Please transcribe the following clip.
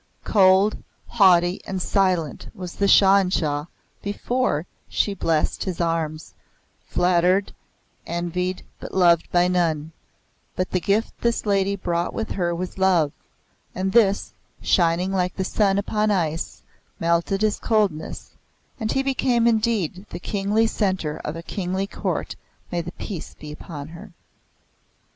Cold, haughty, and silent was the Shah in Shah before she blessed his arms flattered, envied, but loved by none. But the gift this Lady brought with her was love; and this, shining like the sun upon ice, melted his coldness, and he became indeed the kingly centre of a kingly court May the Peace be upon her!